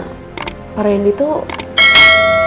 tunangan jessica yang namanya adi itu bukan